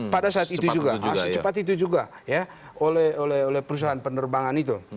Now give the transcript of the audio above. pada saat itu juga secepat itu juga ya oleh perusahaan penerbangan itu